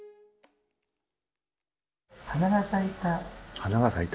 花が咲いた。